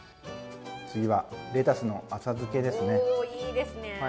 次はレタスの浅漬けですね。